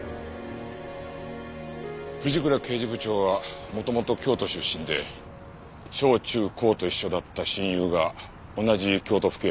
藤倉刑事部長は元々京都出身で小中高と一緒だった親友が同じ京都府警にいると。